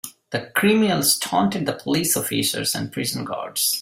The criminals taunted the police officers and prison guards.